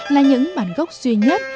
là những bản gốc duy nhất